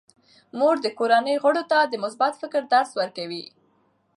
مور د کورنۍ غړو ته د مثبت فکر درس ورکوي.